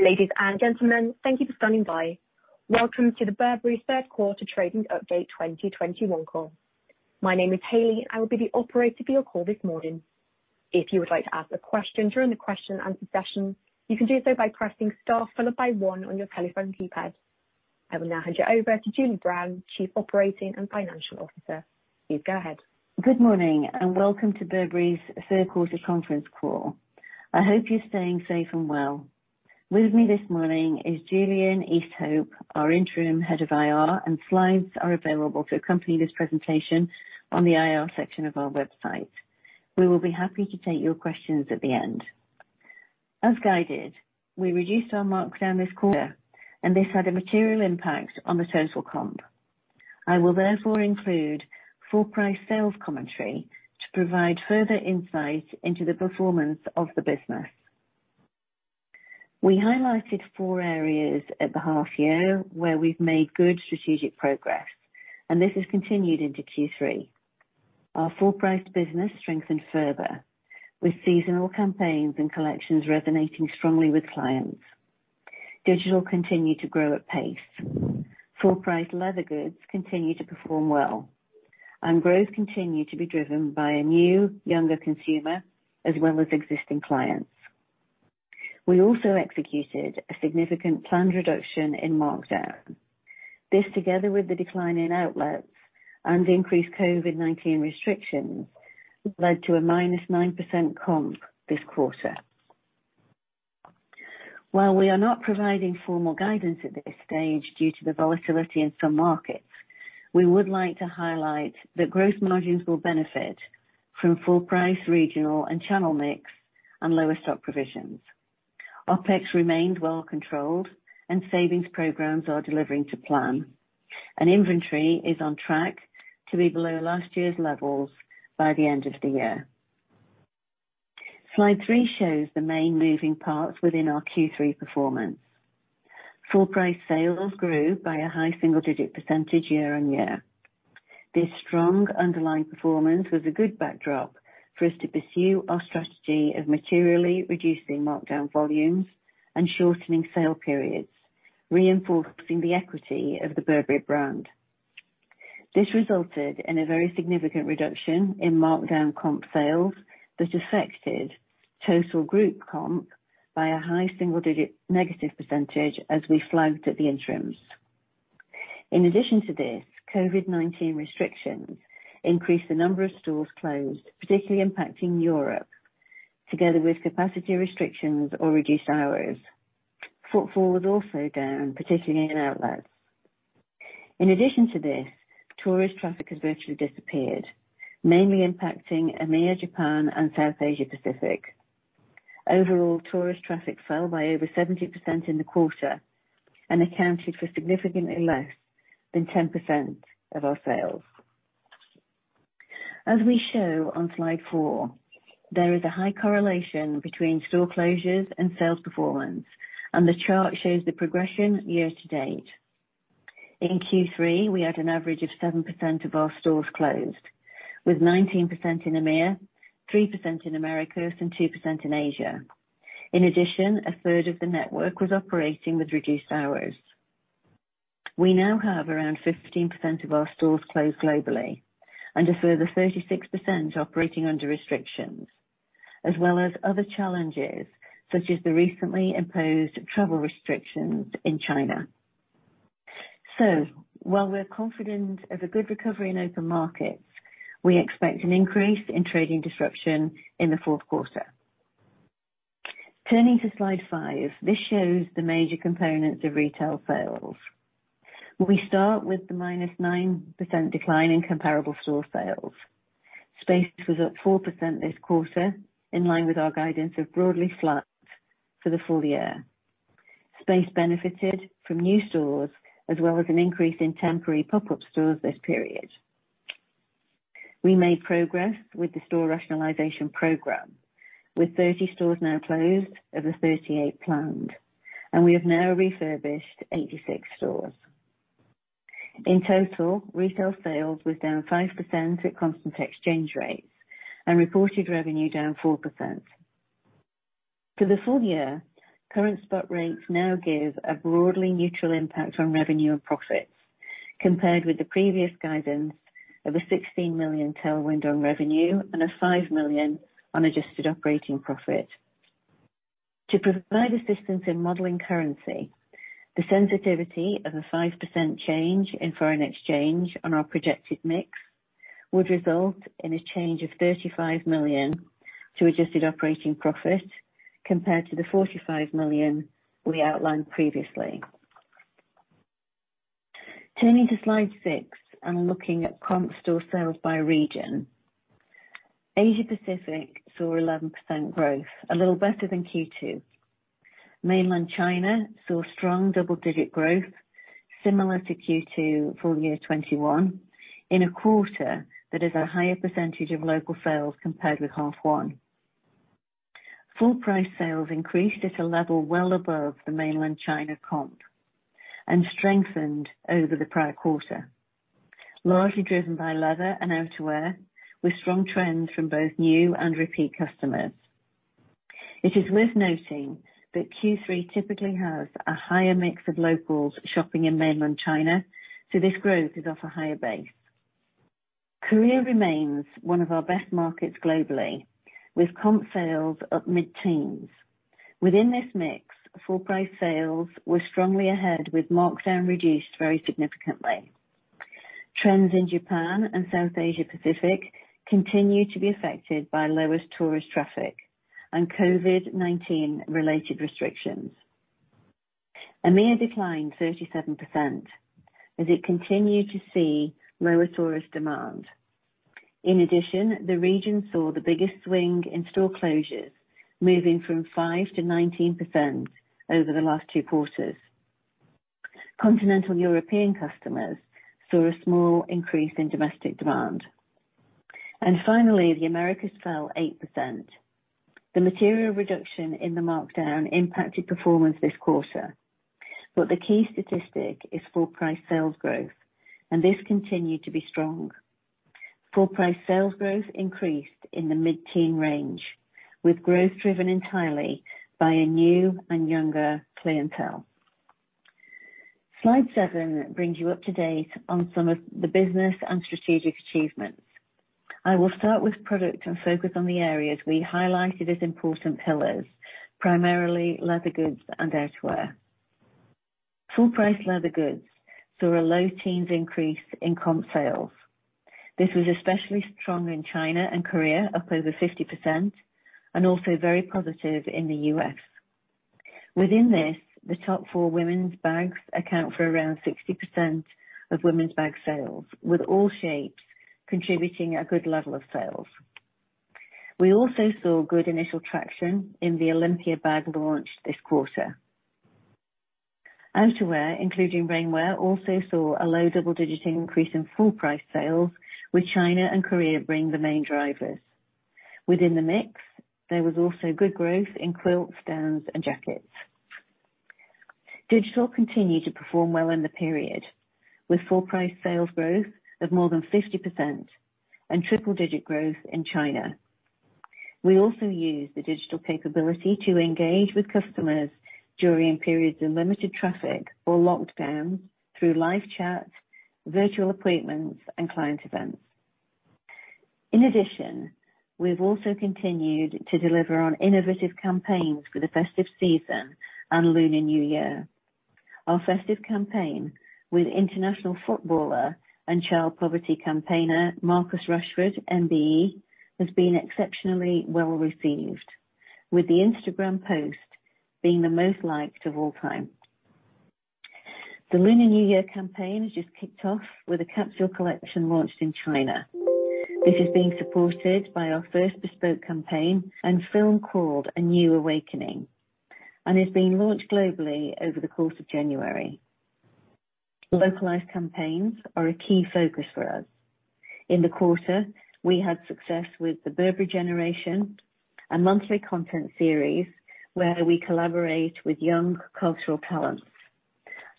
Ladies and gentlemen, thank you for standing by. Welcome to the Burberry third quarter trading update 2021 call. My name is Haley, I will be the operator for your call this morning. If you would like to ask a question during the question and answer session, you can do so by pressing star followed by one on your telephone keypad. I will now hand you over to Julie Brown, Chief Operating and Financial Officer. Please go ahead. Good morning, and welcome to Burberry's third quarter conference call. I hope you are staying safe and well. With me this morning is Julian Easthope, our Interim Head of IR, and slides are available to accompany this presentation on the IR section of our website. We will be happy to take your questions at the end. As guided, we reduced our markdown this quarter, and this had a material impact on the total comp. I will therefore include full price sales commentary to provide further insight into the performance of the business. We highlighted four areas at the half year where we have made good strategic progress, and this has continued into Q3. Our full-priced business strengthened further with seasonal campaigns and collections resonating strongly with clients. Digital continued to grow at pace. Full-price leather goods continue to perform well. Growth continued to be driven by a new, younger consumer, as well as existing clients. We also executed a significant planned reduction in markdown. This, together with the decline in outlets and increased COVID-19 restrictions, led to a -9% comp this quarter. While we are not providing formal guidance at this stage due to the volatility in some markets, we would like to highlight that growth margins will benefit from full price, regional, and channel mix, and lower stock provisions. OpEx remained well controlled and savings programs are delivering to plan. Inventory is on track to be below last year's levels by the end of the year. Slide three shows the main moving parts within our Q3 performance. Full price sales grew by a high single-digit percentage year-on-year. This strong underlying performance was a good backdrop for us to pursue our strategy of materially reducing markdown volumes and shortening sale periods, reinforcing the equity of the Burberry brand. This resulted in a very significant reduction in markdown comp sales that affected total group comp by a high single digit negative percentage, as we flagged at the interims. In addition to this, COVID-19 restrictions increased the number of stores closed, particularly impacting Europe, together with capacity restrictions or reduced hours. Footfall was also down, particularly in outlets. In addition to this, tourist traffic has virtually disappeared, mainly impacting EMEIA, Japan, and South Asia Pacific. Overall, tourist traffic fell by over 70% in the quarter and accounted for significantly less than 10% of our sales. As we show on slide four, there is a high correlation between store closures and sales performance. The chart shows the progression year to date. In Q3, we had an average of 7% of our stores closed, with 19% in EMEIA, 3% in Americas, and 2% in Asia. In addition, a third of the network was operating with reduced hours. We now have around 15% of our stores closed globally and a further 36% operating under restrictions, as well as other challenges such as the recently imposed travel restrictions in China. While we're confident of a good recovery in open markets, we expect an increase in trading disruption in the fourth quarter. Turning to slide five. This shows the major components of retail sales. We start with the -9% decline in comparable store sales. Space was up 4% this quarter, in line with our guidance of broadly flat for the full year. Space benefited from new stores as well as an increase in temporary pop-up stores this period. We made progress with the store rationalization program, with 30 stores now closed of the 38 planned, and we have now refurbished 86 stores. In total, retail sales was down 5% at constant exchange rates and reported revenue down 4%. For the full year, current spot rates now give a broadly neutral impact on revenue and profits, compared with the previous guidance of a 16 million tailwind on revenue and a 5 million on adjusted operating profit. To provide assistance in modeling currency, the sensitivity of a 5% change in foreign exchange on our projected mix would result in a change of 35 million to adjusted operating profit, compared to the 45 million we outlined previously. Turning to slide six and looking at comp store sales by region. Asia Pacific saw 11% growth, a little better than Q2. Mainland China saw strong double-digit growth similar to Q2 full year 2021, in a quarter that is a higher percentage of local sales compared with half one. Full price sales increased at a level well above the Mainland China comp and strengthened over the prior quarter. Largely driven by leather and outerwear, with strong trends from both new and repeat customers. It is worth noting that Q3 typically has a higher mix of locals shopping in Mainland China, so this growth is off a higher base. Korea remains one of our best markets globally, with comp sales up mid-teens. Within this mix, full price sales were strongly ahead, with markdown reduced very significantly. Trends in Japan and South Asia Pacific continue to be affected by lowest tourist traffic and COVID-19 related restrictions. EMEIA declined 37% as it continued to see lower tourist demand. The region saw the biggest swing in store closures, moving from 5%-19% over the last two quarters. Continental European customers saw a small increase in domestic demand. The Americas fell 8%. The material reduction in the markdown impacted performance this quarter, but the key statistic is full price sales growth, and this continued to be strong. Full price sales growth increased in the mid-teen range, with growth driven entirely by a new and younger clientele. Slide seven brings you up to date on some of the business and strategic achievements. I will start with product and focus on the areas we highlighted as important pillars, primarily leather goods and outerwear. Full price leather goods saw a low-teens increase in comp sales. This was especially strong in China and Korea, up over 50%, and also very positive in the U.S. Within this, the top 4 women's bags account for around 60% of women's bag sales, with all shapes contributing a good level of sales. We also saw good initial traction in the Olympia bag launch this quarter. Outerwear, including rainwear, also saw a low double-digit increase in full price sales, with China and Korea being the main drivers. Within the mix, there was also good growth in quilts, downs, and jackets. Digital continued to perform well in the period, with full price sales growth of more than 50% and triple-digit growth in China. We also use the digital capability to engage with customers during periods of limited traffic or lockdown through live chat, virtual appointments, and client events. In addition, we've also continued to deliver on innovative campaigns for the festive season and Lunar New Year. Our festive campaign with international footballer and child poverty campaigner Marcus Rashford MBE, has been exceptionally well-received, with the Instagram post being the most liked of all time. The Lunar New Year campaign has just kicked off with a capsule collection launched in China. This is being supported by our first bespoke campaign and film called A New Awakening, and is being launched globally over the course of January. Localized campaigns are a key focus for us. In the quarter, we had success with the Burberry Generation, a monthly content series where we collaborate with young cultural talents.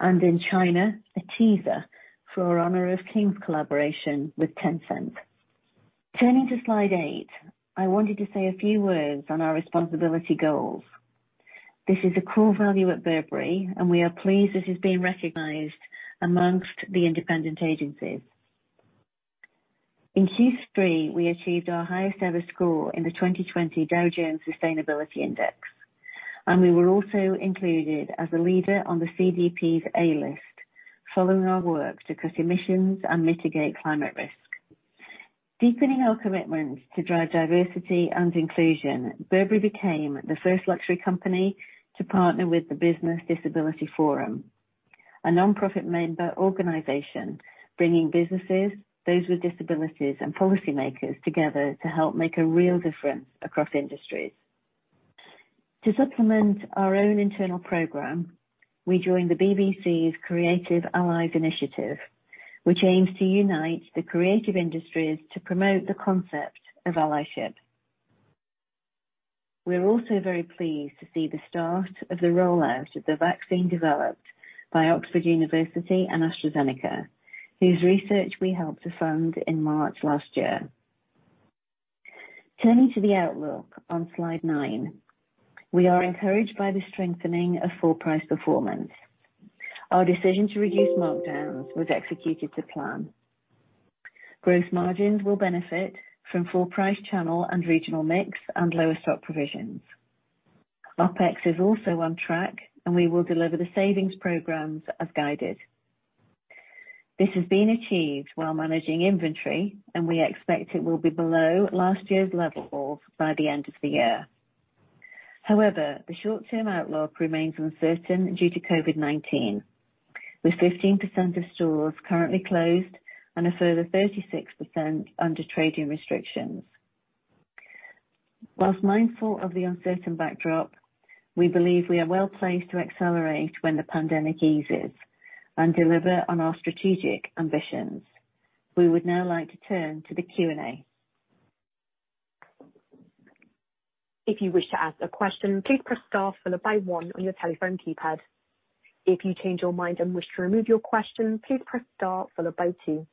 In China, a teaser for our Honor of Kings collaboration with Tencent. Turning to slide eight, I wanted to say a few words on our responsibility goals. This is a core value at Burberry, and we are pleased this is being recognized amongst the independent agencies. In Q3, we achieved our highest ever score in the 2020 Dow Jones Sustainability Index, and we were also included as a leader on the CDP's A List, following our work to cut emissions and mitigate climate risk. Deepening our commitments to drive diversity and inclusion, Burberry became the first luxury company to partner with the Business Disability Forum, a nonprofit member organization bringing businesses, those with disabilities, and policymakers together to help make a real difference across industries. To supplement our own internal program, we joined the BBC's Creative Allies initiative, which aims to unite the creative industries to promote the concept of allyship. We're also very pleased to see the start of the rollout of the vaccine developed by Oxford University and AstraZeneca, whose research we helped to fund in March last year. Turning to the outlook on slide nine. We are encouraged by the strengthening of full price performance. Our decision to reduce markdowns was executed to plan. Gross margins will benefit from full price channel and regional mix and lower stock provisions. OpEx is also on track, and we will deliver the savings programs as guided. This has been achieved while managing inventory, and we expect it will be below last year's levels by the end of the year. However, the short-term outlook remains uncertain due to COVID-19, with 15% of stores currently closed and a further 36% under trading restrictions. Whilst mindful of the uncertain backdrop, we believe we are well-placed to accelerate when the pandemic eases and deliver on our strategic ambitions. We would now like to turn to the Q&A. If you wish to ask a question, please press star followed by one on your telephone keypad. If you change your mind and wish to remove your question, please press star followed by two.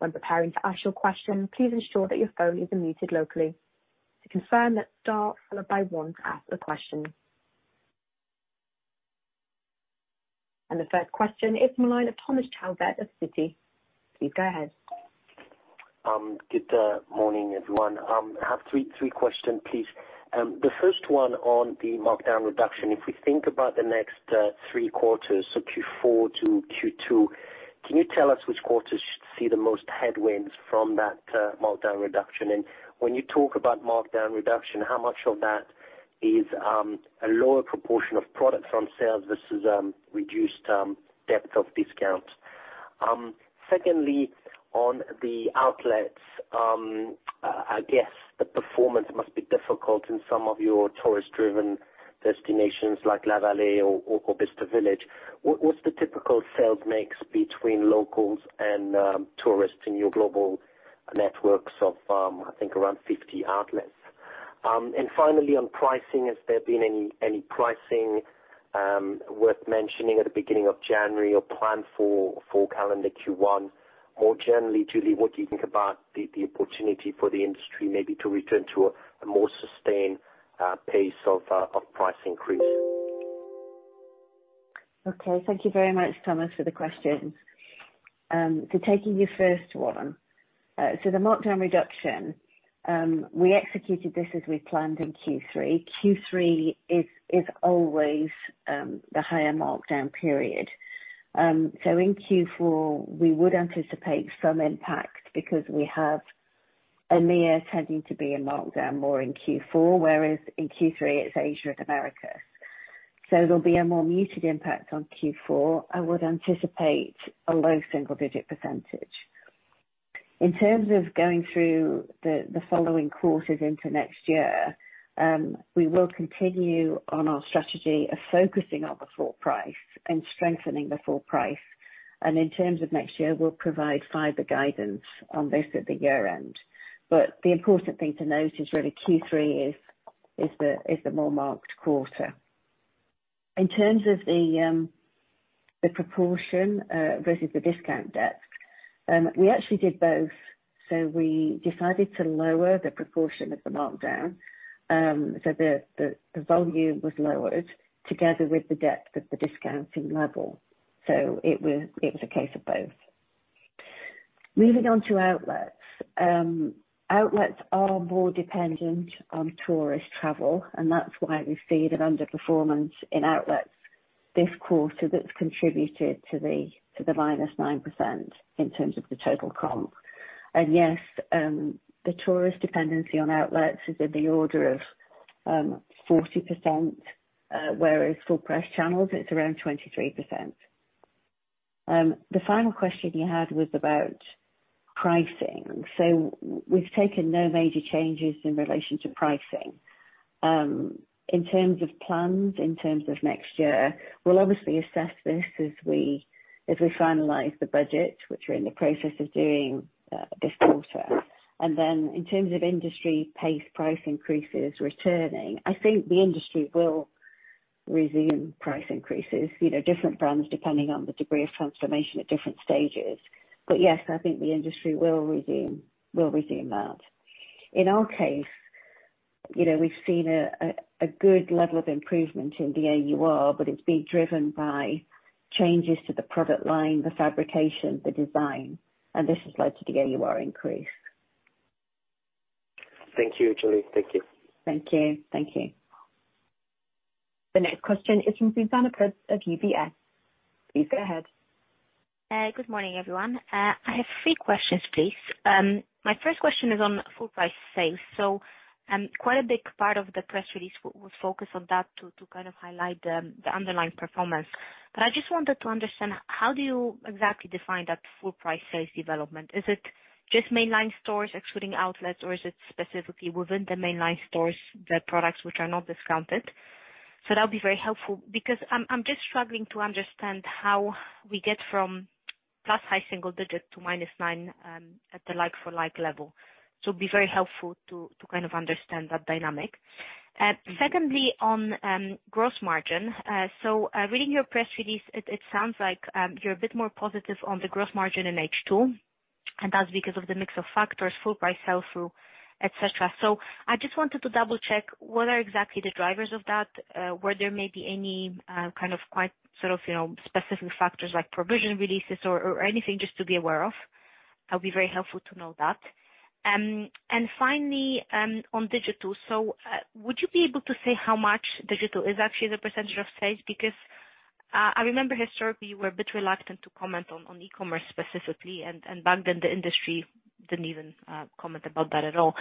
When preparing to ask your question, please ensure that your phone is unmuted locally. To confirm, press star followed by one to ask a question. The first question is the line of Thomas Chauvet of Citi. Please go ahead. Good morning, everyone. I have three questions, please. The first one on the markdown reduction. If we think about the next three quarters, so Q4-Q2, can you tell us which quarters should see the most headwinds from that markdown reduction? And when you talk about markdown reduction, how much of that is a lower proportion of product from sales versus reduced depth of discount? Secondly, on the outlets, I guess the performance must be difficult in some of your tourist-driven destinations like La Vallée or Bicester Village. What's the typical sales mix between locals and tourists in your global networks of, I think, around 50 outlets? Finally, on pricing, has there been any pricing worth mentioning at the beginning of January or planned for calendar Q1? More generally, Julie, what do you think about the opportunity for the industry maybe to return to a more sustained pace of price increase? Thank you very much, Thomas, for the question. Taking your first one. The markdown reduction, we executed this as we planned in Q3. Q3 is always the higher markdown period. In Q4, we would anticipate some impact because we have EMEIA tending to be a markdown more in Q4, whereas in Q3 it's Asia and Americas. There'll be a more muted impact on Q4. I would anticipate a low single-digit percentage. In terms of going through the following quarters into next year, we will continue on our strategy of focusing on the full price and strengthening the full price. In terms of next year, we'll provide further guidance on this at the year-end. The important thing to note is really Q3 is the more marked quarter. In terms of the proportion versus the discount depth, we actually did both. We decided to lower the proportion of the markdown, so the volume was lowered together with the depth of the discounting level. It was a case of both. Moving on to outlets. Outlets are more dependent on tourist travel, and that's why we've seen an underperformance in outlets this quarter that's contributed to the -9% in terms of the total comp. Yes, the tourist dependency on outlets is in the order of 40%, whereas full price channels, it's around 23%. The final question you had was about pricing. We've taken no major changes in relation to pricing. In terms of plans, in terms of next year, we'll obviously assess this as we finalize the budget, which we're in the process of doing this quarter. Then in terms of industry pace price increases returning, I think the industry will resume price increases. Different brands depending on the degree of transformation at different stages. Yes, I think the industry will resume that. In our case, we've seen a good level of improvement in the AUR, but it's being driven by changes to the product line, the fabrication, the design, and this has led to the AUR increase. Thank you, Julie. Thank you. Thank you. The next question is from Zuzanna Pusz of UBS. Please go ahead. Good morning, everyone. I have three questions, please. My first question is on full price sales. Quite a big part of the press release was focused on that to kind of highlight the underlying performance. I just wanted to understand, how do you exactly define that full price sales development? Is it just mainline stores excluding outlets, or is it specifically within the mainline stores, the products which are not discounted? That'll be very helpful because I'm just struggling to understand how we get from plus high single digit to minus nine at the like for like level. It'd be very helpful to kind of understand that dynamic. Secondly, on gross margin. Reading your press release, it sounds like you're a bit more positive on the gross margin in H2, and that's because of the mix of factors, full price sell-through, et cetera. I just wanted to double-check what are exactly the drivers of that. Were there maybe any kind of quite sort of specific factors like provision releases or anything just to be aware of? That'll be very helpful to know that. Finally, on digital. Would you be able to say how much digital is actually the percentage of sales? Because I remember historically you were a bit reluctant to comment on e-commerce specifically, and back then the industry didn't even comment about that at all.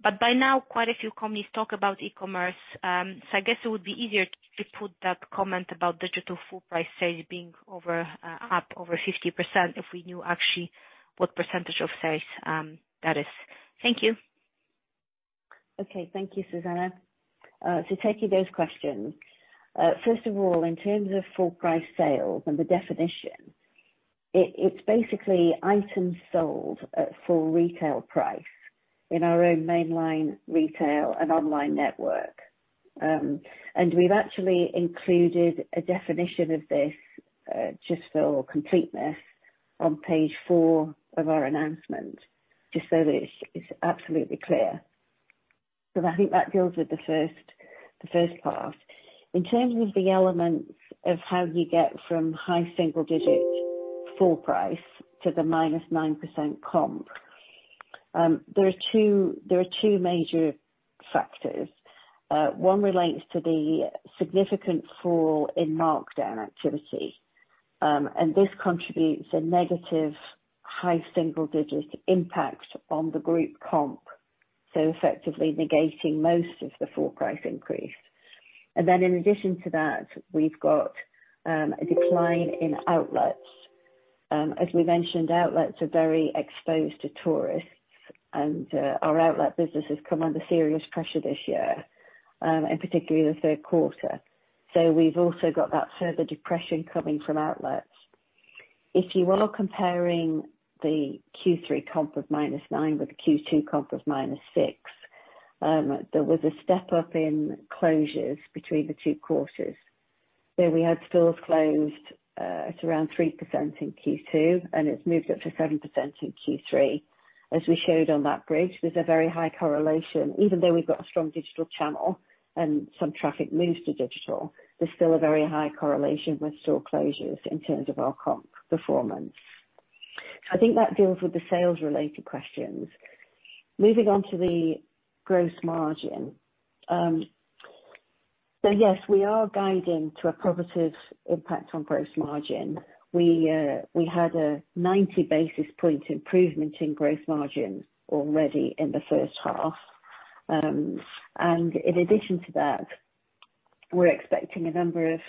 But by now, quite a few companies talk about e-commerce. I guess it would be easier to put that comment about digital full price sales being up over 50% if we knew actually what percentage of sales that is. Thank you. Okay. Thank you, Zuzanna. Taking those questions. First of all, in terms of full price sales and the definition. It's basically items sold at full retail price in our own mainline retail and online network. We've actually included a definition of this, just for completeness, on page four of our announcement, just so that it's absolutely clear. I think that deals with the first part. In terms of the elements of how you get from high single digit full price to the -9% comp. There are two major factors. One relates to the significant fall in markdown activity, this contributes a negative high single digit impact on the group comp, effectively negating most of the full price increase. In addition to that, we've got a decline in outlets. As we mentioned, outlets are very exposed to tourists, and our outlet business has come under serious pressure this year, and particularly in the third quarter. We've also got that further depression coming from outlets. If you are comparing the Q3 comp of -9 with the Q2 comp of -6, there was a step up in closures between the two quarters. We had stores closed at around 3% in Q2, and it's moved up to 7% in Q3. As we showed on that bridge, there's a very high correlation. Even though we've got a strong digital channel and some traffic moves to digital, there's still a very high correlation with store closures in terms of our comp performance. I think that deals with the sales-related questions. Moving on to the gross margin. Yes, we are guiding to a positive impact on gross margin. We had a 90 basis points improvement in gross margin already in the first half. In addition to that, we're expecting a number of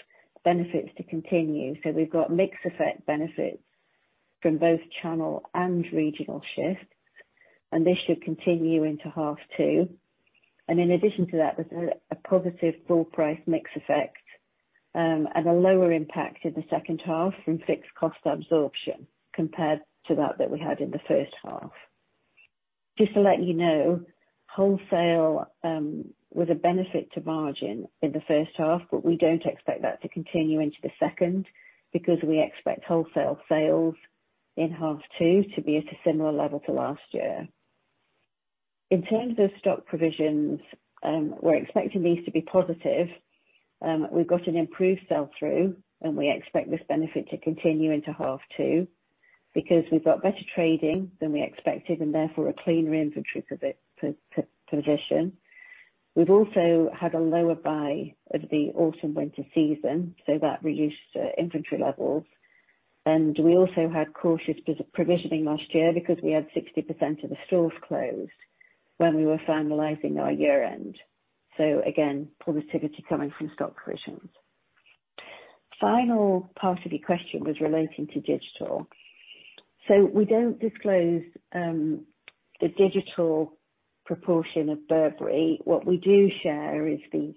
benefits to continue. We've got mix effect benefits from both channel and regional shifts, and this should continue into half two. In addition to that, there's a positive full price mix effect, and a lower impact in the second half from fixed cost absorption compared to that that we had in the first half. Just to let you know, wholesale was a benefit to margin in the first half, but we don't expect that to continue into the second because we expect wholesale sales in half two to be at a similar level to last year. In terms of stock provisions, we're expecting these to be positive. We've got an improved sell-through. We expect this benefit to continue into half two because we've got better trading than we expected, therefore, a cleaner inventory position. We've also had a lower buy of the autumn-winter season, that reduced inventory levels. We also had cautious provisioning last year because we had 60% of the stores closed when we were finalizing our year-end. Again, positivity coming from stock provisions. Final part of your question was relating to digital. We don't disclose the digital proportion of Burberry. What we do share is the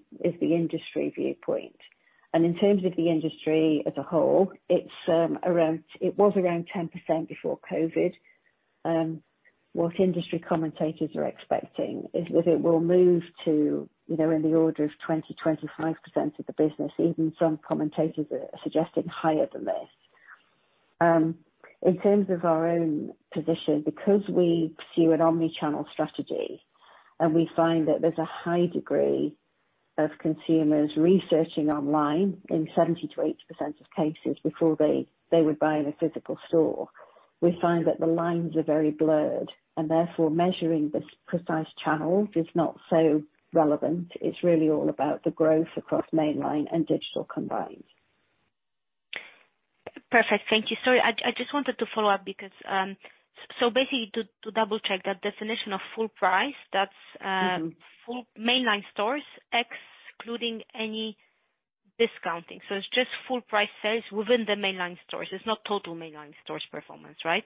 industry viewpoint. In terms of the industry as a whole, it was around 10% before COVID. What industry commentators are expecting is that it will move to in the order of 20%-25% of the business. Even some commentators are suggesting higher than this. In terms of our own position, because we pursue an omni-channel strategy and we find that there's a high degree of consumers researching online in 70%-80% of cases before they would buy in a physical store. We find that the lines are very blurred, and therefore measuring the precise channels is not so relevant. It's really all about the growth across mainline and digital combined. Perfect. Thank you. Sorry, I just wanted to follow up. Basically, to double-check that definition of full price. Full mainline stores, excluding any discounting. It's just full price sales within the mainline stores. It's not total mainline stores performance, right?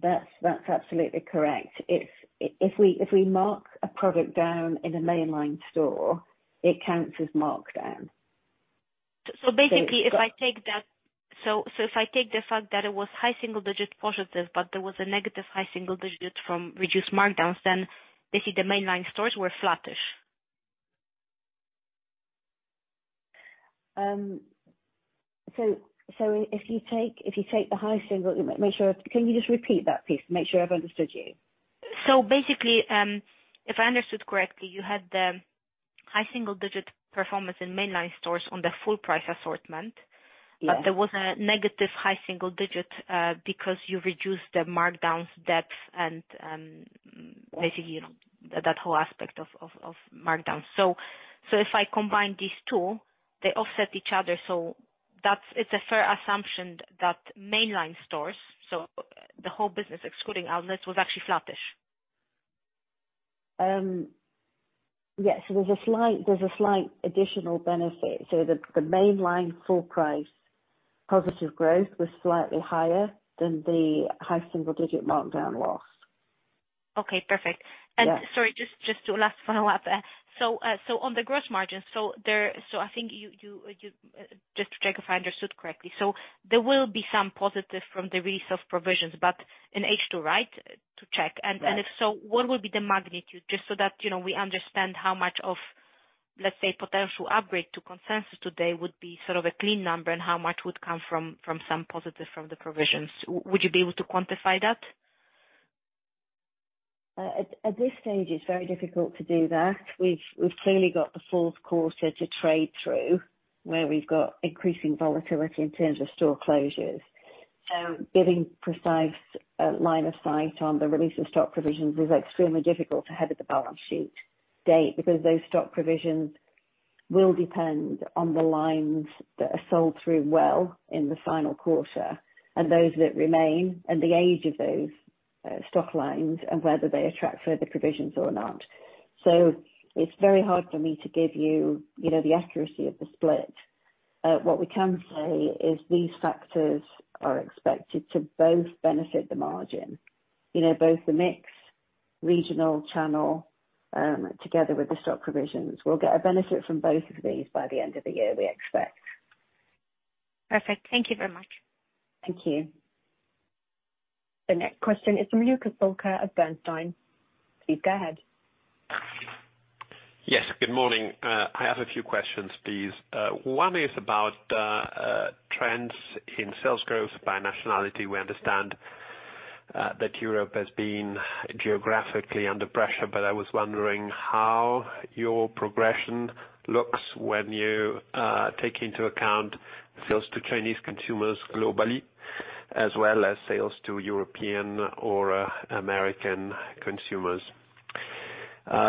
That's absolutely correct. If we mark a product down in a mainline store, it counts as marked down. Basically, if I take the fact that it was high single digit positive, but there was a negative high single digit from reduced markdowns, then basically, the mainline stores were flattish. Can you just repeat that piece to make sure I've understood you? Basically, if I understood correctly, you had the high single-digit performance in mainline stores on the full price assortment. Yeah. There was a negative high single digit, because you reduced the markdowns depth. Right. Basically, that whole aspect of markdown. If I combine these two, they offset each other. It's a fair assumption that mainline stores, so the whole business excluding outlets, was actually flattish. Yes. There's a slight additional benefit. The mainline full price positive growth was slightly higher than the high single-digit markdown loss. Okay, perfect. Yeah. Sorry, just to last follow-up. On the gross margin, just to check if I understood correctly, there will be some positive from the release of provisions, but in H2, right? To check. If so, what will be the magnitude? Just so that we understand how much of, let's say, potential upgrade to consensus today would be sort of a clean number and how much would come from some positive from the provisions. Would you be able to quantify that? At this stage, it's very difficult to do that. We've clearly got the fourth quarter to trade through, where we've got increasing volatility in terms of store closures. Giving precise line of sight on the release of stock provisions is extremely difficult ahead of the balance sheet date, because those stock provisions will depend on the lines that are sold through well in the final quarter and those that remain and the age of those stock lines and whether they attract further provisions or not. It's very hard for me to give you the accuracy of the split. What we can say is these factors are expected to both benefit the margin, both the mix regional channel together with the stock provisions. We'll get a benefit from both of these by the end of the year, we expect. Perfect. Thank you very much. Thank you. The next question is from Luca Solca of Bernstein. Please go ahead. Yes, good morning. I have a few questions, please. One is about trends in sales growth by nationality. We understand that Europe has been geographically under pressure, but I was wondering how your progression looks when you take into account sales to Chinese consumers globally, as well as sales to European or American consumers?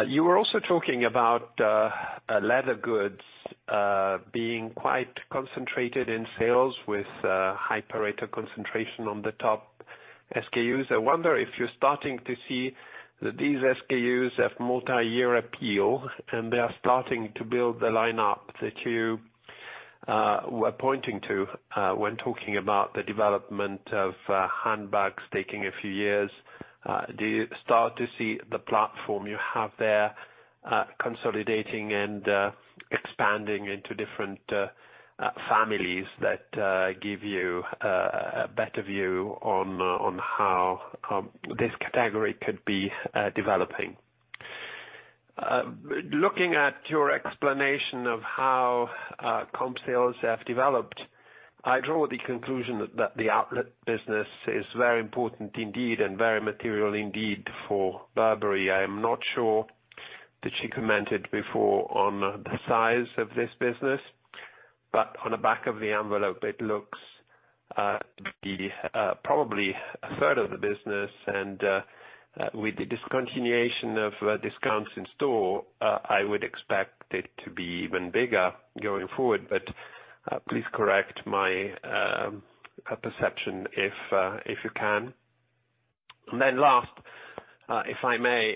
You were also talking about leather goods being quite concentrated in sales with high Pareto concentration on the top SKUs. I wonder if you're starting to see that these SKUs have multi-year appeal, and they are starting to build the lineup that you were pointing to when talking about the development of handbags taking a few years? Do you start to see the platform you have there consolidating and expanding into different families that give you a better view on how this category could be developing? Looking at your explanation of how comp sales have developed, I draw the conclusion that the outlet business is very important indeed and very material indeed for Burberry. I am not sure that you commented before on the size of this business, but on the back of the envelope, it looks to be probably a third of the business. With the discontinuation of discounts in store, I would expect it to be even bigger going forward. Please correct my perception if you can. Then last, if I may,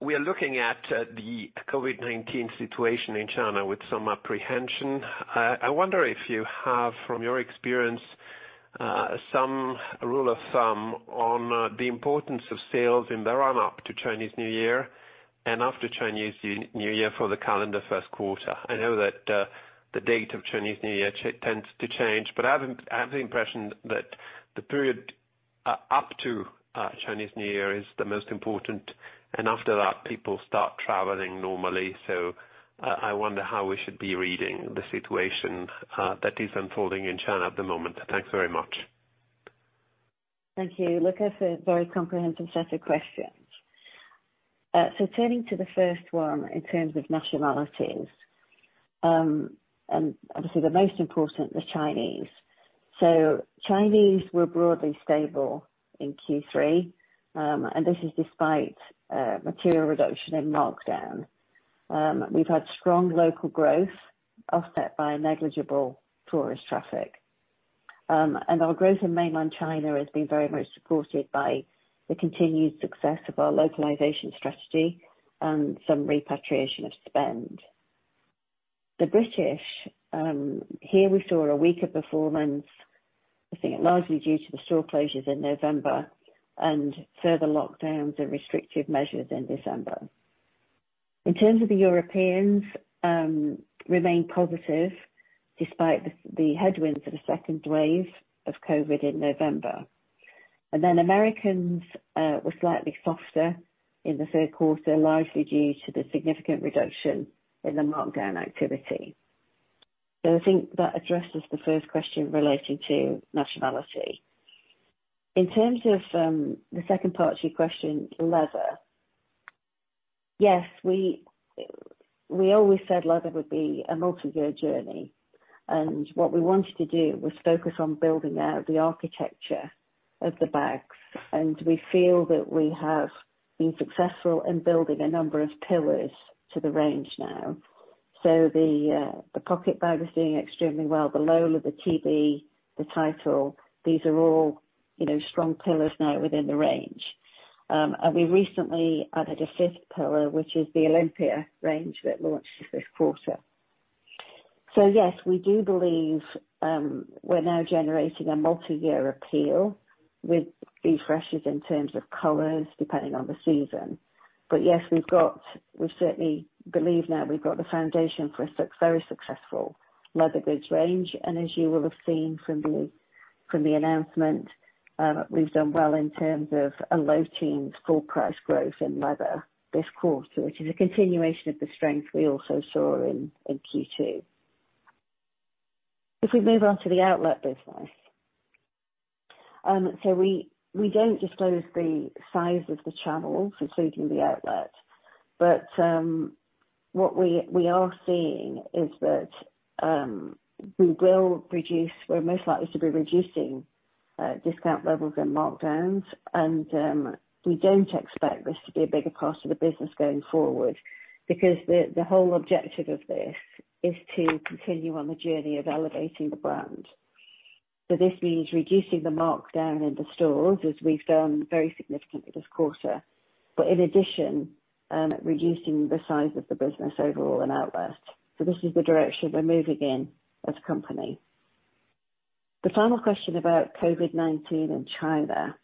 we are looking at the COVID-19 situation in China with some apprehension. I wonder if you have, from your experience, some rule of thumb on the importance of sales in the run-up to Chinese New Year and after Chinese New Year for the calendar first quarter. I know that the date of Chinese New Year tends to change, but I have the impression that the period up to Chinese New Year is the most important, and after that, people start traveling normally. I wonder how we should be reading the situation that is unfolding in China at the moment. Thanks very much. Thank you, Luca. A very comprehensive set of questions. Turning to the first one in terms of nationalities, and obviously the most important, the Chinese. Chinese were broadly stable in Q3, and this is despite material reduction in markdown. We've had strong local growth offset by negligible tourist traffic. Our growth in Mainland China has been very much supported by the continued success of our localization strategy and some repatriation of spend. The British, here we saw a weaker performance, I think largely due to the store closures in November and further lockdowns and restrictive measures in December. In terms of the Europeans, remain positive despite the headwinds of the second wave of COVID in November. Americans were slightly softer in the third quarter, largely due to the significant reduction in the markdown activity. I think that addresses the first question relating to nationality. In terms of the second part of your question, leather. Yes, we always said leather would be a multi-year journey, and what we wanted to do was focus on building out the architecture of the bags, and we feel that we have been successful in building a number of pillars to the range now. The Pocket bag is doing extremely well. The Lola, the TB, the Title, these are all strong pillars now within the range. We recently added a fifth pillar, which is the Olympia range that launched this quarter. Yes, we do believe we're now generating a multi-year appeal with refreshes in terms of colors, depending on the season. Yes, we certainly believe now we've got the foundation for a very successful leather goods range. As you will have seen from the announcement, we've done well in terms of a low-teens full price growth in leather this quarter, which is a continuation of the strength we also saw in Q2. If we move on to the outlet business. We don't disclose the size of the channel for including the outlet. What we are seeing is that we're most likely to be reducing discount levels and markdowns, and we don't expect this to be a bigger part of the business going forward, because the whole objective of this is to continue on the journey of elevating the brand. This means reducing the markdown in the stores as we've done very significantly this quarter. In addition, reducing the size of the business overall in outlet. This is the direction we're moving in as a company. The final question about COVID-19 in China,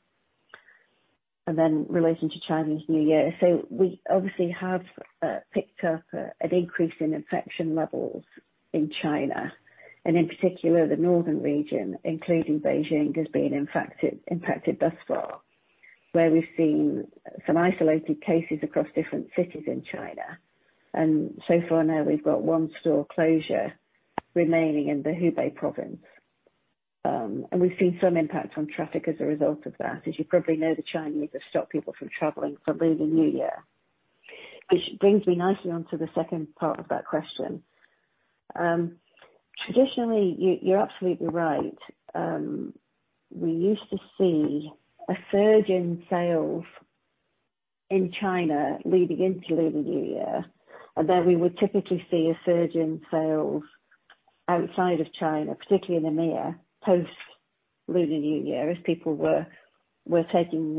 and then relating to Chinese New Year. We obviously have picked up an increase in infection levels in China, and in particular the northern region, including Beijing, has been impacted thus far, where we've seen some isolated cases across different cities in China. So far now we've got one store closure remaining in the Hubei province. We've seen some impact on traffic as a result of that. As you probably know, the Chinese have stopped people from traveling for Lunar New Year. Which brings me nicely on to the second part of that question. Traditionally, you're absolutely right. We used to see a surge in sales in China leading into Lunar New Year, and then we would typically see a surge in sales outside of China, particularly in EMEIA, post Lunar New Year, as people were traveling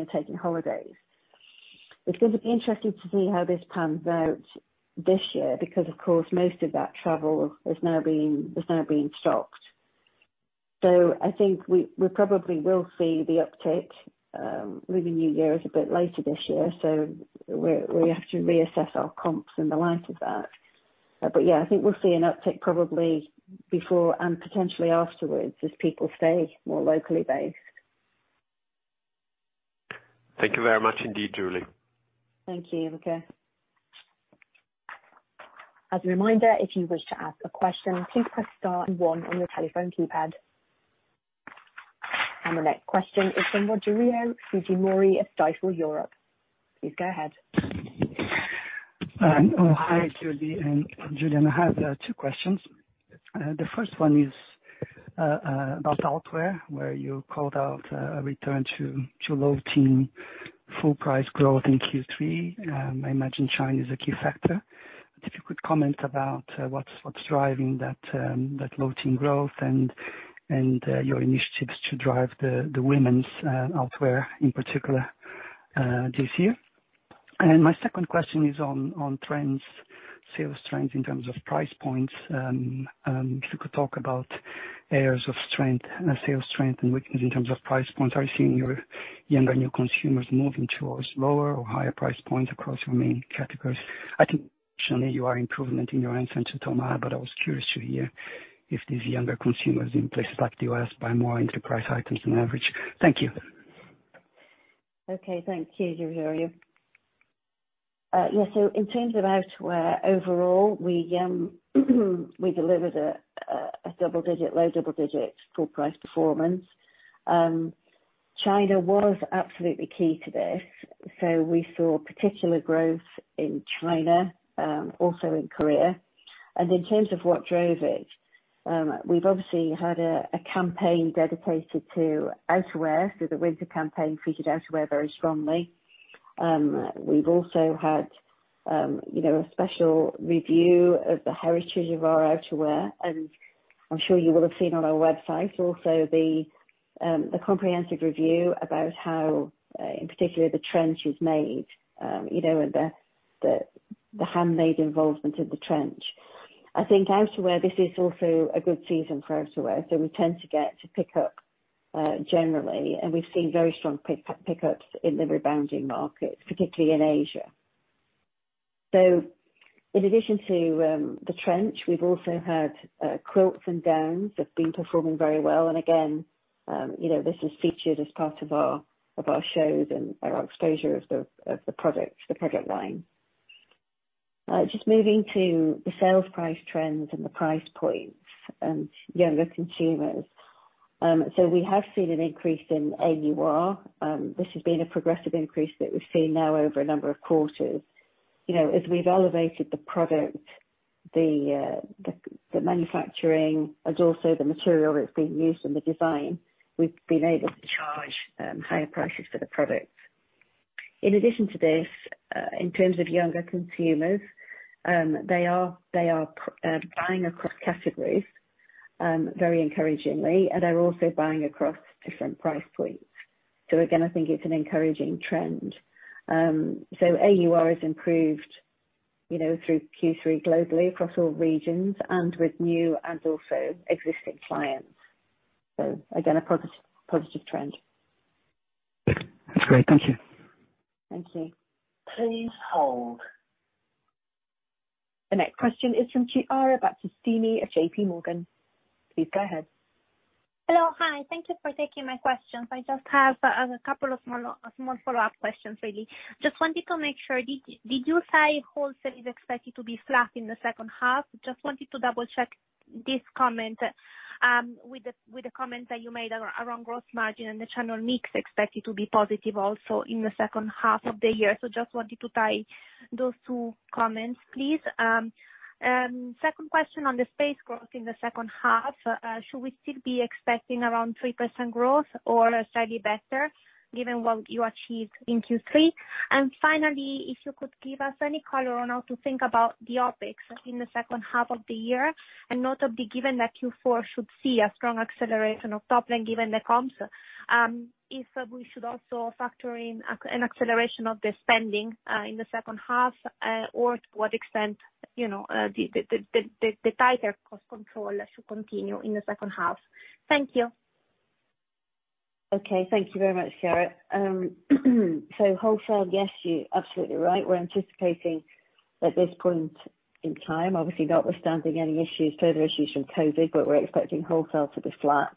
and taking holidays. It's going to be interesting to see how this pans out this year because, of course, most of that travel has now been stopped. I think we probably will see the uptick. Lunar New Year is a bit later this year, so we have to reassess our comps in the light of that. Yeah, I think we'll see an uptick probably before and potentially afterwards as people stay more locally based. Thank you very much indeed, Julie. Thank you, Luca. As a reminder, if wish to ask aquestion, please press star and one on your telephone keypad. The next question is from Rogerio Fujimori of RBC Europe. Please go ahead. Oh, hi, Julie and Julian. I have two questions. The first one is about outerwear, where you called out a return to low-teen full price growth in Q3. I imagine China is a key factor. If you could comment about what's driving that low-teen growth and your initiatives to drive the women's outerwear in particular this year. My second question is on trends, sales trends in terms of price points. If you could talk about areas of sales strength and weakness in terms of price points. Are you seeing your younger new consumers moving towards lower or higher price points across your main categories? I think traditionally you are improvement in your entrance into Tmall. I was curious to hear if these younger consumers in places like the U.S. buy more into price items on average. Thank you. Thanks, Rogerio. In terms of outerwear overall, we delivered a low double-digit full price performance. China was absolutely key to this. We saw particular growth in China, also in Korea. In terms of what drove it, we've obviously had a campaign dedicated to outerwear. The winter campaign featured outerwear very strongly. We've also had a special review of the heritage of our outerwear, and I'm sure you will have seen on our website also the comprehensive review about how, in particular, the trench is made, and the handmade involvement of the trench. I think outerwear, this is also a good season for outerwear, so we tend to get to pick up generally, and we've seen very strong pick-ups in the rebounding markets, particularly in Asia. In addition to the trench, we've also had quilts and downs have been performing very well. Again, this is featured as part of our shows and our exposure of the product line. Just moving to the sales price trends and the price points and younger consumers. We have seen an increase in AUR. This has been a progressive increase that we've seen now over a number of quarters. As we've elevated the product, the manufacturing, and also the material that's being used in the design, we've been able to charge higher prices for the product. In addition to this, in terms of younger consumers, they are buying across categories, very encouragingly, and they're also buying across different price points. Again, I think it's an encouraging trend. AUR has improved through Q3 globally across all regions and with new and also existing clients. Again, a positive trend. That's great. Thank you. Thank you. Please hold. The next question is from Chiara Battistini at JPMorgan. Please go ahead. Hello. Hi. Thank you for taking my questions. I just have a couple of small follow-up questions really. Just wanted to make sure, did you say wholesale is expected to be flat in the second half? Just wanted to double-check this comment with the comment that you made around gross margin and the channel mix expected to be positive also in the second half of the year. Just wanted to tie those two comments, please. Second question on the space growth in the second half. Should we still be expecting around 3% growth or slightly better given what you achieved in Q3? Finally, if you could give us any color on how to think about the OpEx in the second half of the year and notably given that Q4 should see a strong acceleration of top line given the comps. If we should also factor in an acceleration of the spending in the second half, or to what extent the tighter cost control should continue in the second half. Thank you. Thank you very much, Chiara. Wholesale, yes, you're absolutely right. We're anticipating at this point in time, obviously notwithstanding any further issues from COVID, but we're expecting wholesale to be flat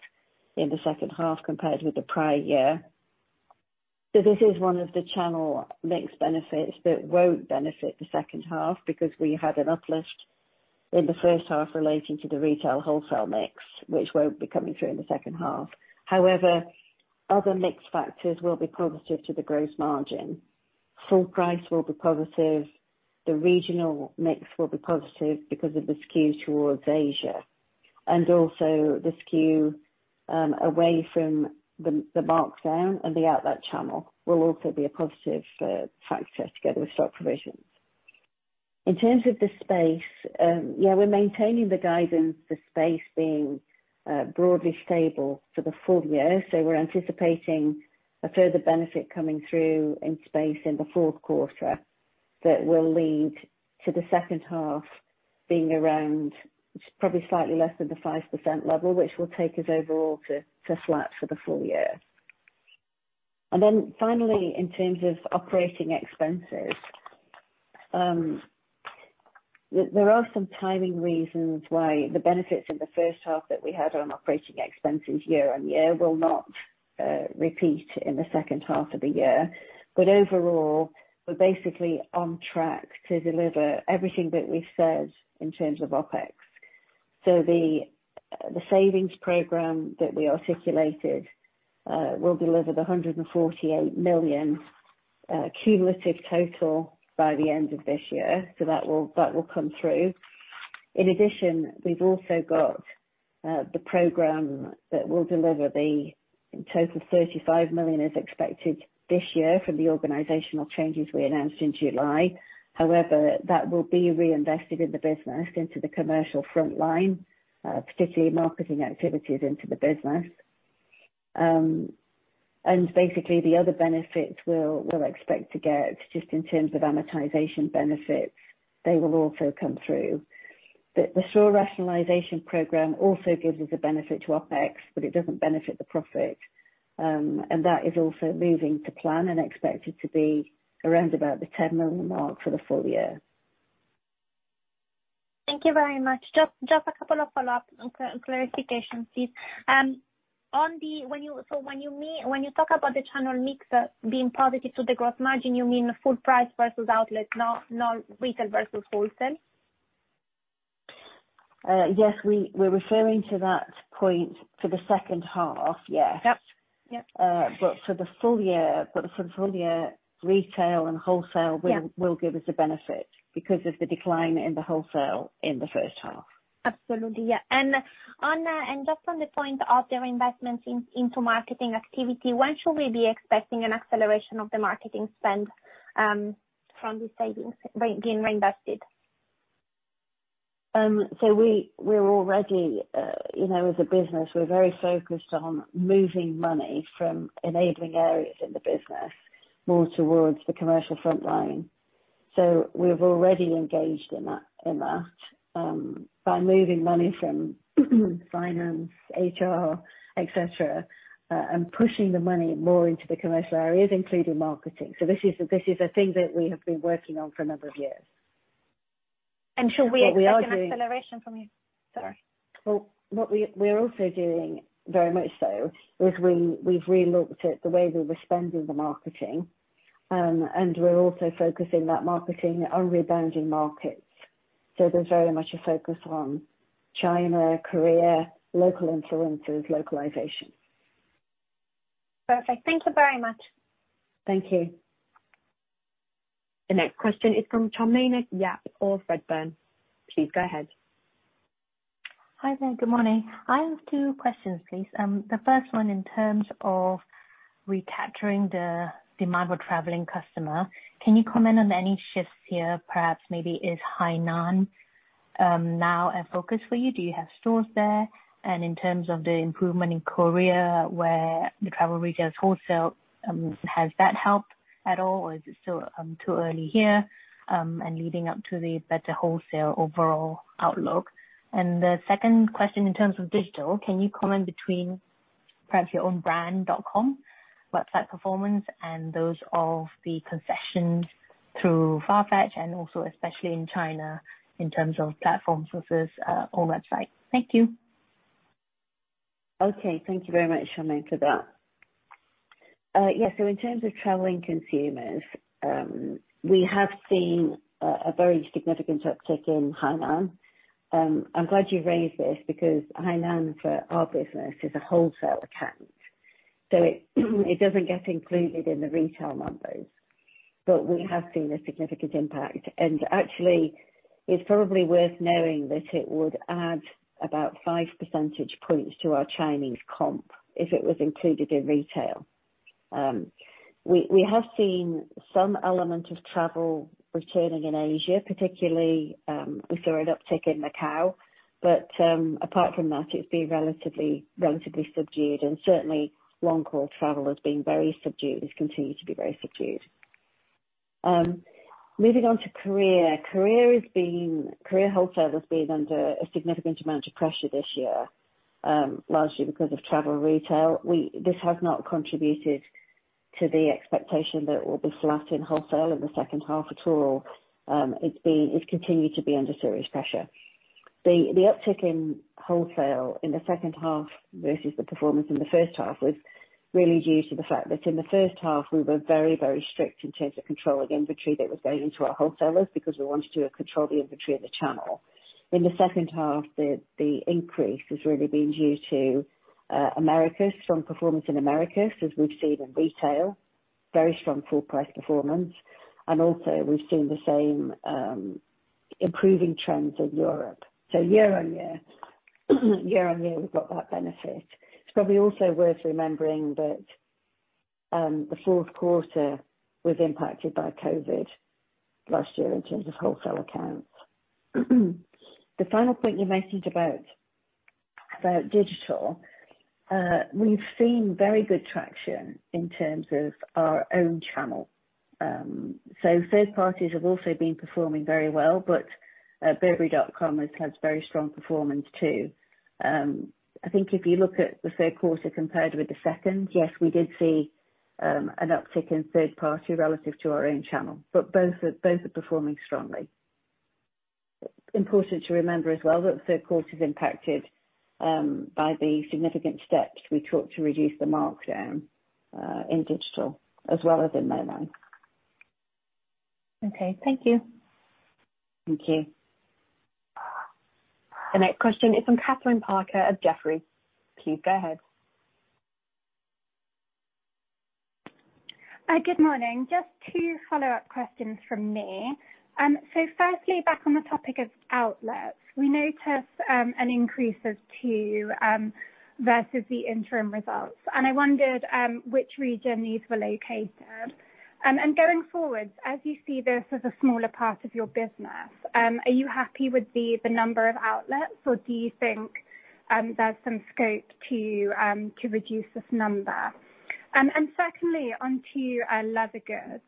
in the second half compared with the prior year. This is one of the channel mix benefits that won't benefit the second half because we had an uplift in the first half relating to the retail wholesale mix, which won't be coming through in the second half. However, other mix factors will be positive to the gross margin. Full price will be positive. The regional mix will be positive because of the skew towards Asia. Also the skew away from the markdown and the outlet channel will also be a positive factor together with stock provisions. In terms of the space, yeah, we're maintaining the guidance for space being broadly stable for the full year. We're anticipating a further benefit coming through in space in the fourth quarter that will lead to the second half being around, probably slightly less than the 5% level, which will take us overall to flat for the full year. Then finally, in terms of operating expenses, there are some timing reasons why the benefits in the first half that we had on operating expenses year-on-year will not repeat in the second half of the year. Overall, we're basically on track to deliver everything that we've said in terms of OpEx. The savings program that we articulated will deliver the 148 million cumulative total by the end of this year. That will come through. In addition, we've also got the program that will deliver the total 35 million as expected this year from the organizational changes we announced in July. However, that will be reinvested in the business into the commercial frontline, particularly marketing activities into the business. Basically the other benefits we'll expect to get just in terms of amortization benefits, they will also come through. The store rationalization program also gives us a benefit to OpEx, but it doesn't benefit the profit. That is also moving to plan and expected to be around about the 10 million mark for the full year. Thank you very much. Just a couple of follow-up clarifications, please. When you talk about the channel mix being positive to the gross margin, you mean full price versus outlet, not retail versus wholesale? Yes. We're referring to that point for the second half. Yes. Yep. For the full year retail and wholesale. Yeah. Will give us a benefit because of the decline in the wholesale in the first half. Absolutely. Just on the point of the investments into marketing activity, when should we be expecting an acceleration of the marketing spend from the savings being reinvested? We're already as a business, we're very focused on moving money from enabling areas in the business more towards the commercial frontline. We've already engaged in that by moving money from finance, HR, et cetera, and pushing the money more into the commercial areas, including marketing. This is a thing that we have been working on for a number of years. Should we? What we are doing. An acceleration from you? Sorry. What we are also doing very much so is we've re-looked at the way that we're spending the marketing. We're also focusing that marketing on rebounding markets. There's very much a focus on China, Korea, local influencers, localization. Perfect. Thank you very much. Thank you. The next question is from Charmaine Yap of Redburn. Please go ahead. Hi there. Good morning. I have two questions, please. The first one in terms of recapturing the demand with traveling customer. Can you comment on any shifts here perhaps maybe is Hainan a focus for you. Do you have stores there? In terms of the improvement in Korea, where the travel retails wholesale, has that helped at all or is it still too early here, leading up to the better wholesale overall outlook? The second question, in terms of digital, can you comment between perhaps your own brand.com website performance and those of the concessions through Farfetch and also especially in China in terms of platform versus own website? Thank you. Okay. Thank you very much, Charmaine, for that. Yeah. In terms of traveling consumers, we have seen a very significant uptick in Hainan. I'm glad you raised this because Hainan for our business is a wholesale account, so it doesn't get included in the retail numbers. We have seen a significant impact. Actually, it's probably worth knowing that it would add about five percentage points to our Chinese comp if it was included in retail. We have seen some element of travel returning in Asia particularly. We saw an uptick in Macau, but apart from that it's been relatively subdued. Certainly long-haul travel has been very subdued, has continued to be very subdued. Moving on to Korea. Korea wholesale has been under a significant amount of pressure this year, largely because of travel retail. This has not contributed to the expectation that it will be flat in wholesale in the second half at all. It's continued to be under serious pressure. The uptick in wholesale in the second half versus the performance in the first half was really due to the fact that in the first half we were very strict in terms of controlling inventory that was going into our wholesalers because we wanted to control the inventory of the channel. In the second half, the increase has really been due to Americas, strong performance in Americas as we've seen in retail, very strong full price performance, and also we've seen the same improving trends in Europe. Year on year, we've got that benefit. It's probably also worth remembering that the fourth quarter was impacted by COVID last year in terms of wholesale accounts. The final point you mentioned about digital, we've seen very good traction in terms of our own channel. Third parties have also been performing very well but Burberry.com has had very strong performance too. I think if you look at the third quarter compared with the second, yes, we did see an uptick in third party relative to our own channel, but both are performing strongly. Important to remember as well that third quarter is impacted by the significant steps we took to reduce the markdown in digital as well as in mainline. Okay. Thank you. Thank you. The next question is from Kathryn Parker of Jefferies. Please go ahead. Good morning. Just two follow-up questions from me. Firstly, back on the topic of outlets. We noticed an increase of two versus the interim results, I wondered which region these were located. Going forward, as you see this as a smaller part of your business, are you happy with the number of outlets or do you think there's some scope to reduce this number? Secondly, on to leather goods.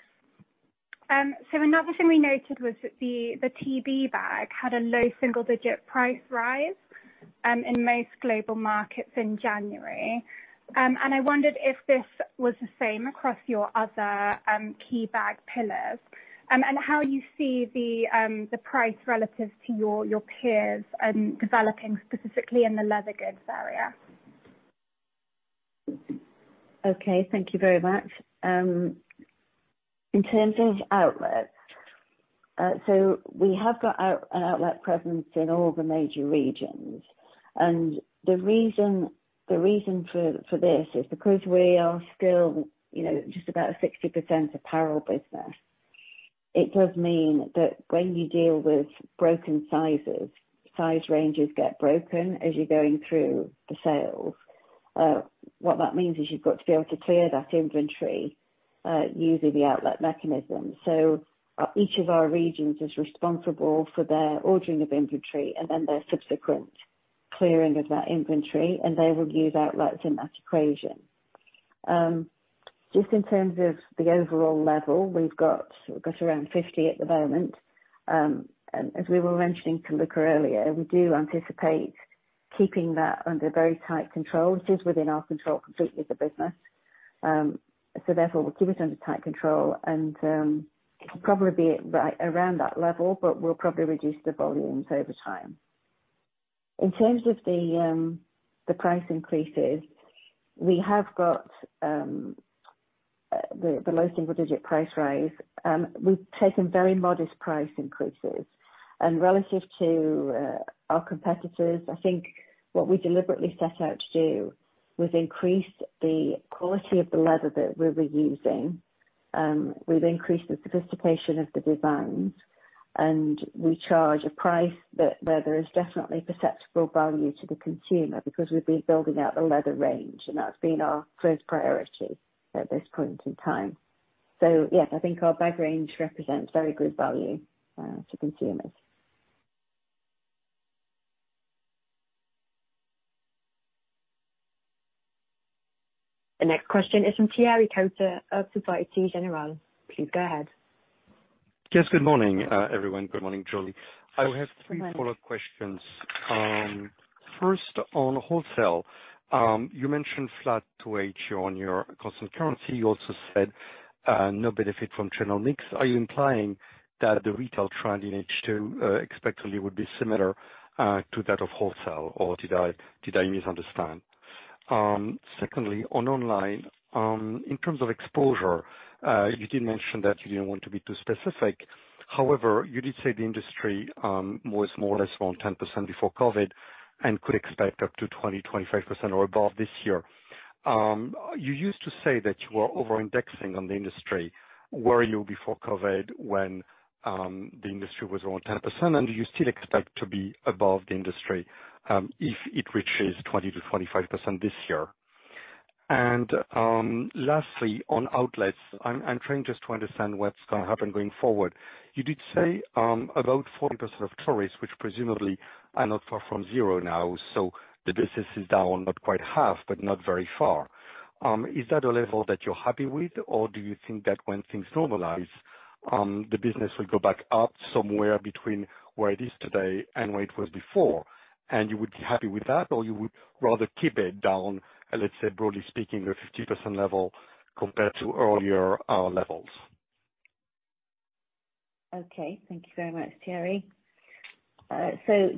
Another thing we noted was that the TB bag had a low single-digit price rise in most global markets in January. I wondered if this was the same across your other key bag pillars. How you see the price relative to your peers developing specifically in the leather goods area. Okay. Thank you very much. In terms of outlets, we have got an outlet presence in all the major regions. The reason for this is because we are still just about a 60% apparel business. It does mean that when you deal with broken sizes, size ranges get broken as you're going through the sales. What that means is you've got to be able to clear that inventory using the outlet mechanism. Each of our regions is responsible for their ordering of inventory and then their subsequent clearing of that inventory, and they will use outlets in that equation. Just in terms of the overall level, we've got around 50 at the moment. As we were mentioning to Luca earlier, we do anticipate keeping that under very tight control. It is within our control completely as a business. Therefore we'll keep it under tight control and it'll probably be right around that level, but we'll probably reduce the volumes over time. In terms of the price increases, we have got the low single-digit price rise. We've taken very modest price increases. Relative to our competitors, I think what we deliberately set out to do was increase the quality of the leather that we're reusing. We've increased the sophistication of the designs, and we charge a price where there is definitely perceptible value to the consumer because we've been building out the leather range, and that's been our first priority at this point in time. Yes, I think our bag range represents very good value to consumers. The next question is from Thierry Cota of Société Générale. Please go ahead. Yes. Good morning, everyone. Good morning, Julie. Good morning. I have three follow-up questions. First, on wholesale, you mentioned flat in H2 on your constant currency. You also said no benefit from channel mix. Are you implying that the retail trend in H2 expectedly would be similar to that of wholesale, or did I misunderstand? Secondly, on online, in terms of exposure, you did mention that you didn't want to be too specific. However, you did say the industry was more or less around 10% before COVID and could expect up to 20%, 25% or above this year. You used to say that you were over-indexing on the industry. Were you before COVID when the industry was around 10% and you still expect to be above the industry if it reaches 20%-25% this year? Lastly, on outlets, I'm trying just to understand what's going to happen going forward. You did say about 40% of tourists, which presumably are not far from zero now, so the business is down, not quite half, but not very far. Is that a level that you're happy with, or do you think that when things normalize, the business will go back up somewhere between where it is today and where it was before, and you would be happy with that? Or you would rather keep it down at, let's say, broadly speaking, the 50% level compared to earlier levels? Okay. Thank you very much, Thierry.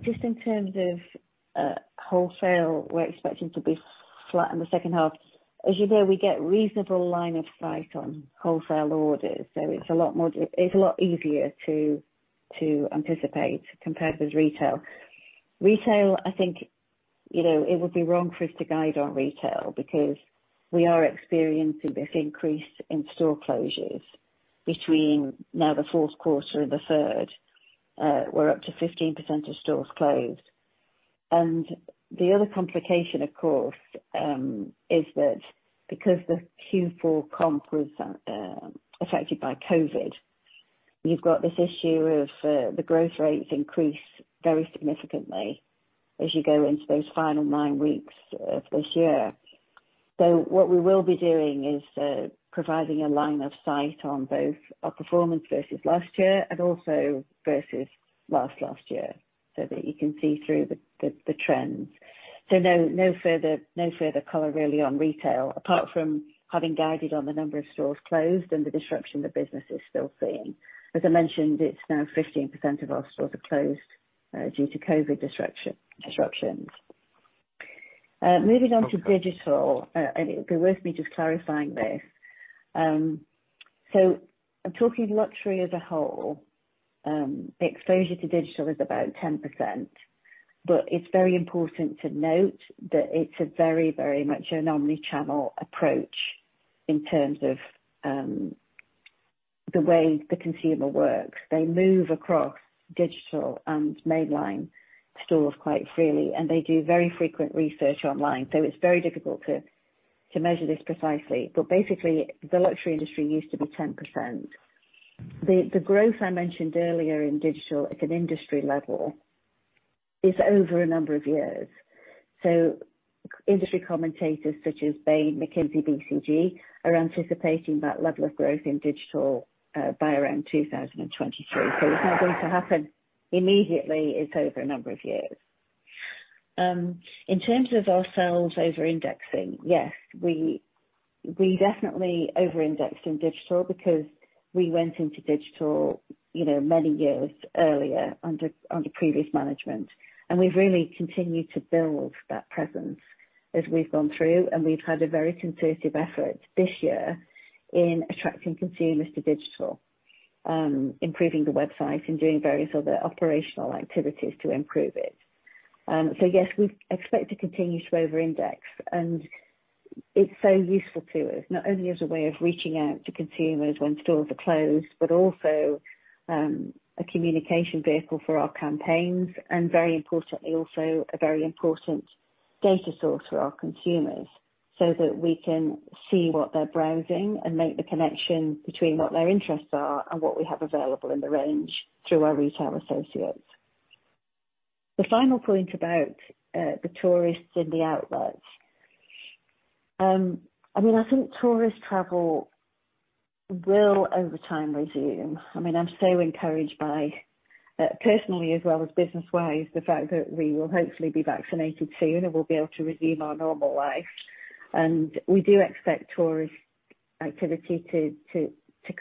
Just in terms of wholesale, we're expecting to be flat in the second half. As you know, we get reasonable line of sight on wholesale orders, it's a lot easier to anticipate compared with retail. Retail, I think, it would be wrong for us to guide on retail because we are experiencing this increase in store closures between now the fourth quarter and the third. We're up to 15% of stores closed. The other complication, of course, is that because the Q4 comp was affected by COVID, you've got this issue of the growth rates increase very significantly as you go into those final nine weeks of this year. What we will be doing is providing a line of sight on both our performance versus last year and also versus last year, so that you can see through the trends. No further color really on retail apart from having guided on the number of stores closed and the disruption the business is still seeing. As I mentioned, it's now 15% of our stores are closed due to COVID disruptions. Moving on to digital, and it would be worth me just clarifying this. I'm talking luxury as a whole. The exposure to digital is about 10%, but it's very important to note that it's a very much an omni-channel approach in terms of the way the consumer works. They move across digital and mainline stores quite freely, and they do very frequent research online. It's very difficult to measure this precisely. Basically, the luxury industry used to be 10%. The growth I mentioned earlier in digital at an industry level is over a number of years. Industry commentators such as Bain, McKinsey, BCG, are anticipating that level of growth in digital by around 2023. It's not going to happen immediately. It's over a number of years. In terms of ourselves over-indexing, yes, we definitely over-indexed in digital because we went into digital many years earlier under previous management, and we've really continued to build that presence as we've gone through. We've had a very concerted effort this year in attracting consumers to digital, improving the website and doing various other operational activities to improve it. Yes, we expect to continue to over-index, and it's so useful to us, not only as a way of reaching out to consumers when stores are closed, but also a communication vehicle for our campaigns, and very importantly, also a very important data source for our consumers so that we can see what they're browsing and make the connection between what their interests are and what we have available in the range through our retail associates. The final point about the tourists in the outlets. I think tourist travel will, over time, resume. I'm so encouraged by, personally as well as business-wise, the fact that we will hopefully be vaccinated soon and we'll be able to resume our normal life. We do expect tourist activity to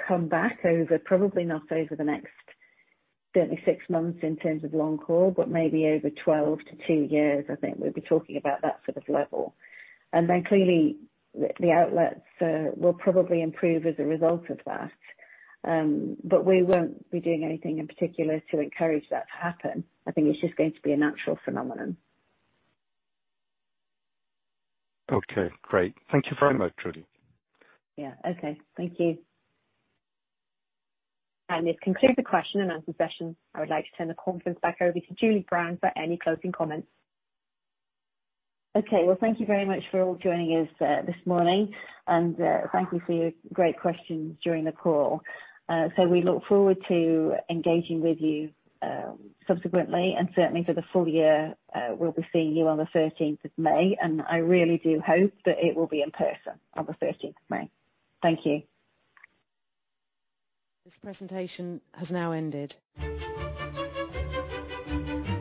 come back over, probably not over the next certainly six months in terms of long haul, but maybe over 12 months to two years, I think we'll be talking about that sort of level. Clearly the outlets will probably improve as a result of that. We won't be doing anything in particular to encourage that to happen. I think it's just going to be a natural phenomenon. Okay, great. Thank you very much, Julie. Yeah. Okay. Thank you. This concludes the question and answer session. I would like to turn the conference back over to Julie Brown for any closing comments. Okay. Well, thank you very much for all joining us this morning, and thank you for your great questions during the call. We look forward to engaging with you subsequently and certainly for the full year. We'll be seeing you on the 13th of May, and I really do hope that it will be in person on the 13th of May. Thank you. This presentation has now ended.